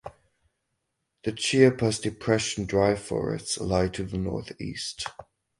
The Chiapas Depression dry forests lie to the northeast.